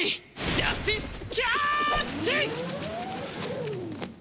ジャスティスキャッチ！